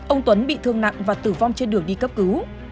ông tuấn bị thương nặng và tử vong trên đường đi cấp cứu